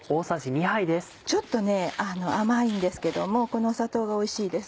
ちょっと甘いんですけどこの砂糖がおいしいです。